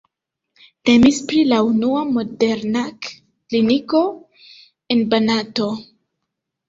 Temis pri la unua modernak kliniko en Banato.